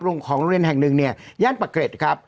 ของโรงเรียนแห่งหนึ่งเนี่ยย่านปะเกร็ดครับ